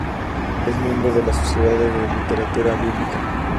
Es miembro de la Sociedad de Literatura Bíblica.